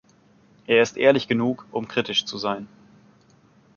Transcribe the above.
Er ist ehrlich genug, um kritisch zu sein.